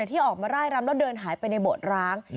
ที่ออกมาร่ายรำแล้วเดินหายไปในโบสถ์ร้าง